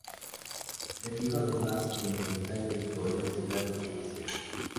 Le dijo además que en Buenos Aires podría estudiar lo que quisiera.